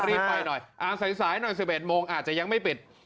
เอาสาย๑๑โมงอาจจะยังไม่ปิด